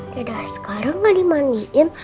dada sekarang gak dimandiin